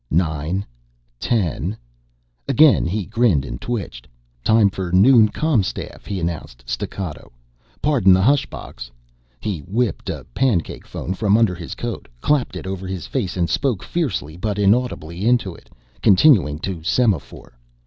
"... Nine ... ten ..." Again he grinned and twitched. "Time for noon Com staff," he announced staccato. "Pardon the hush box." He whipped a pancake phone from under his coat, clapped it over his face and spoke fiercely but inaudibly into it, continuing to semaphore.